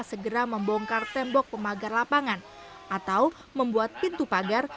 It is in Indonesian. segera membongkar tembok pemagar lapangan atau membuat pintu pagar